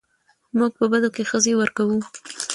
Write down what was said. موږ په بدو کې ښځې ورکوو